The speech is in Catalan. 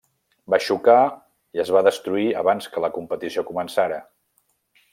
Va xocar i es va destruir abans que la competició començara.